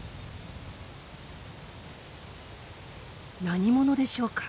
何者でしょうか？